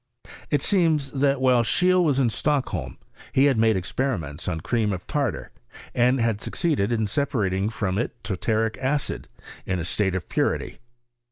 It seems, that while Seheele was in Stockholm, I had made experiments on cream of tartar, and had. succeeded in separating from it tartaric acid, in a state of purity.